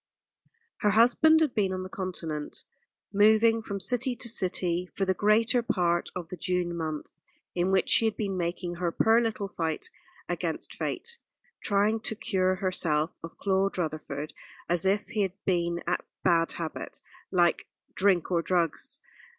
Her husband had been on the Continent, moving from city to city, for the greater part of the June month in which she had been making her poor little fight against Fate trying to cure herself of Claude Rutherford, as if he had been a bad habit, like drink or drugs.